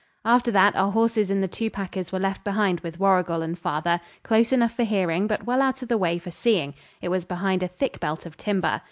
After that our horses and the two packers were left behind with Warrigal and father, close enough for hearing, but well out of the way for seeing; it was behind a thick belt of timber.